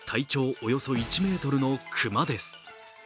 およそ１ｍの熊です。